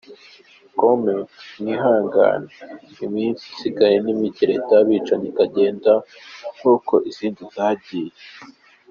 Comment:mwihangangane iminsi isigaye nimike leta yabicanyi ikagenda nkuko izindi zagiye